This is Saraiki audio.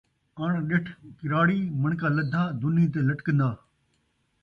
اݨ ݙٹھ کراڑی مݨکا لدھا دُنی تے لٹکن٘دا